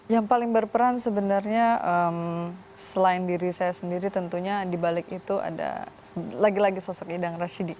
yang paling berperan sebenarnya selain diri saya sendiri tentunya dibalik itu ada lagi lagi sosok idang rashidi